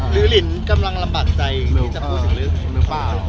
หรือลินกำลังลำบากใจที่จะพูดสิ่งลึก